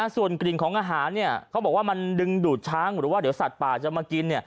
ส่วนกลิ่นของอาหารเขาบอกว่ามันดึงดูดช้างหรือว่าเดี๋ยวสัตว์ป่าจะมากิน